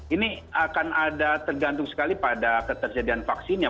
ini akan ada tergantung sekali pada ketersediaan vaksinnya